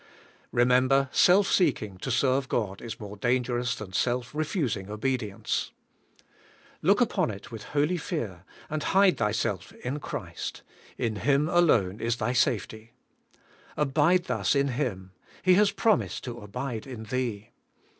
Remember, self seeking to serve God is more dangerous than self refusing obedience. 220 ABIDE IN CHRIST: Look upon it with holy fear, and hide thyself in Christ: in Him alone is thy safety. Abide thus in Him; He has promised to abide in thee.